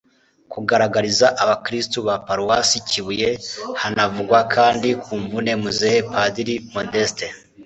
kugaragariza abakristu ba paruwasi kibuye. hanavugwa kandi ku mvune muzehe padiri modeste